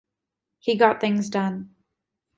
He got things done.